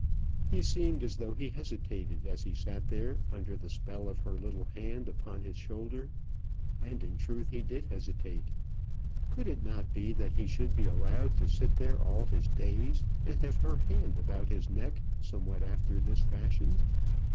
He seemed as though he hesitated as he sat there under the spell of her little hand upon his shoulder. And in truth he did hesitate. Could it not be that he should be allowed to sit there all his days, and have her hand about his neck somewhat after this fashion?